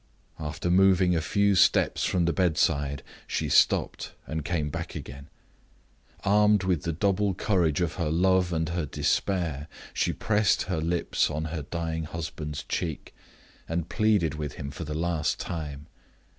After moving a few steps from the bedside, she stopped, and came back again. Armed with the double courage of her love and her despair, she pressed her lips on her dying husband's cheek, and pleaded with him for the last time.